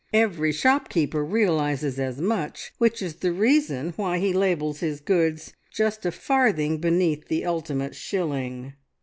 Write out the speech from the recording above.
Every shopkeeper realises as much, which is the reason why he labels his goods just a farthing beneath the ultimate shilling.